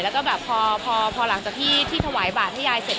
แล้วก็แบบพอหลังจากที่ถวายบาทให้ยายเสร็จ